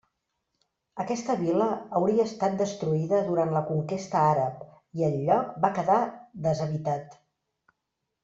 Aquesta vila hauria estat destruïda durant la conquesta àrab i el lloc va quedar deshabitat.